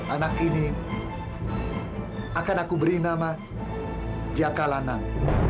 anak ini akan aku beri nama jaka lanang